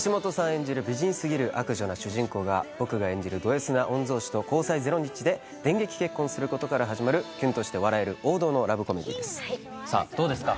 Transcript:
演じる美人すぎる悪女な主人公が僕が演じるドＳな御曹司と交際ゼロ日で電撃結婚することから始まるキュンとして笑える王道のラブコメディーですさあどうですか？